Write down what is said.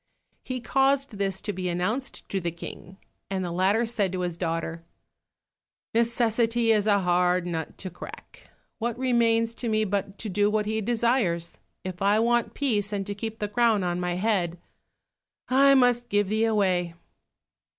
He caused this to be announced to the King, and the latter said to his daughter, "Necessity is a hard nut to crack, what remains to me but to do what he desires? If I want peace and to keep the crown on my head, I must give thee away."